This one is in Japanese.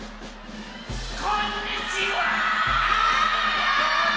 こんにちは！